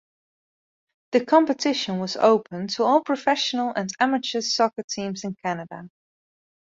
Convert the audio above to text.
The competition was open to all professional and amateur soccer teams in Canada.